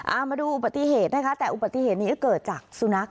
เอามาดูอุบัติเหตุนะคะแต่อุบัติเหตุนี้ก็เกิดจากสุนัข